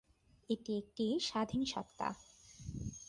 এটি একটি স্বাধীন সত্ত্বা।